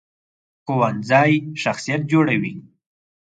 ښوونځی شخصیت جوړوي